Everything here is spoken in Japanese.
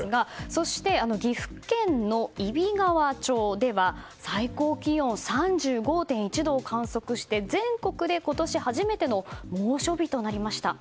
そして、岐阜県の揖斐川町では最高気温３５．１度を観測して全国で今年初めての猛暑日となりました。